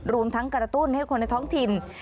รวมทั้งกระตุ้นให้คนในท้องถิ่น